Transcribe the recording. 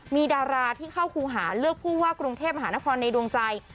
มีดาราที่เข้าครูหาเลือกผู้ว่ากรุงเทพมหานครในดวงใจ